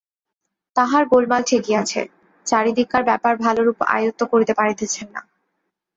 তাঁহার গােলমাল ঠেকিয়াছে, চারিদিককার ব্যাপার ভালরূপ আয়ত্ত করিতে পারিতেছেন না।